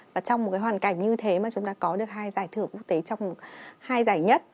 và trong một cái hoàn cảnh như thế mà chúng ta có được hai giải thưởng quốc tế trong hai giải nhất